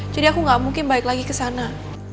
jadi aku gak mungkin balik lagi ke sana